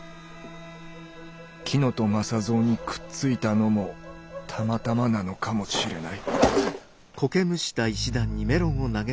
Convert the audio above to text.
乙雅三にくっついたのもたまたまなのかもしれない。